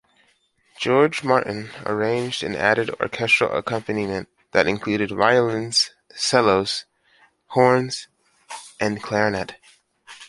George Martin arranged and added orchestral accompaniment that included violins, cellos, horns, and clarinet.